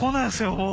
もう。